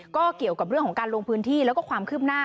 ก็เกี่ยวกับเรื่องของการลงพื้นที่แล้วก็ความคืบหน้า